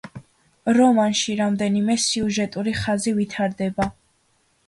რომანში რამდენიმე სიუჟეტური ხაზი ვითარდება.